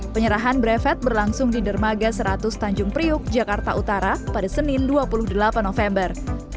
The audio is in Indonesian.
penyerahan brevet berlangsung di dermaga seratus tanjung priuk jakarta utara pada senin dua puluh delapan november